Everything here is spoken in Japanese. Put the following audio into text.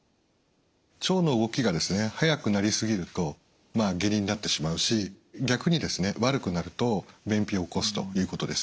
腸の動きが速くなり過ぎると下痢になってしまうし逆にですね悪くなると便秘を起こすということです。